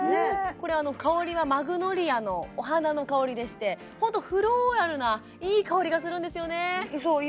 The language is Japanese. これ香りはマグノリアのお花の香りでしてホントフローラルないい香りがするんですよね